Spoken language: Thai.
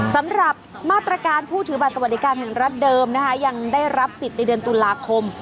สำหรับมาตรการผู้ถือบัตรสวัสดิการแห่งรัฐเดิมนะคะยังได้รับสิทธิ์ในเดือนตุลาคม